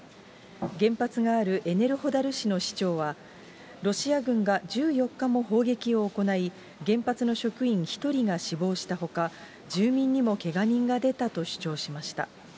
原発があるエネルホダルシの市長は、ロシア軍が１４日も砲撃を行い、原発の職員１人が死亡したほか、住民にもけが人が出たと主張しました。